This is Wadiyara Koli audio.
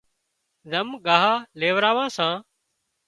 زم ڳاهَه ليوراوان سان